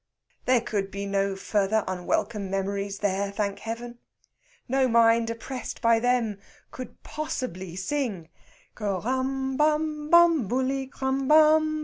There could be no further unwelcome memories there, thank Heaven! No mind oppressed by them could possibly sing "Kram bam bambuli, krambam bu li!"